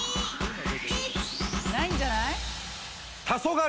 ないんじゃない？